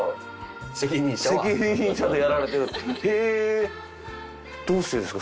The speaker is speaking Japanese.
責任者でやられてるんですか。